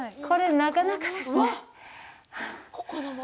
これなかなかですね。